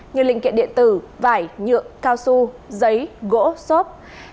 như linh kiện điện tử vải nhựa cao su giấy gỗ xốp